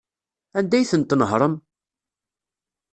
Anda ay tent-tnehṛem?